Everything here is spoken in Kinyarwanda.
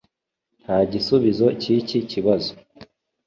Nta gisubizo cyiki kibazo.